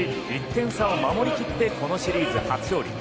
１点差を守り切ってこのシリーズ、初勝利。